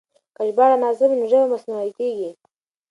که ژباړه ناسمه وي نو ژبه مصنوعي کېږي.